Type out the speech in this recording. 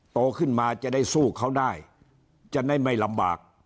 โตขึ้นมาจะได้สู้เขาได้จะได้ไม่ลำบาก